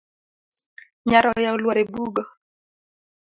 Nyaroya olwar e bugo.